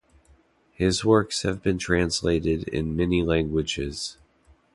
His works have been translated in many languages.